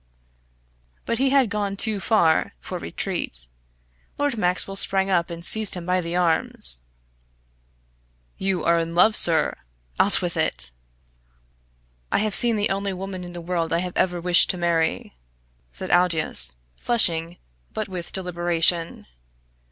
But he had gone too far for retreat. Lord Maxwell sprang up and seized him by the arms. "You are in love, sir! Out with it!" "I have seen the only woman in the world I have ever wished to marry," said Aldous, flushing, but with deliberation.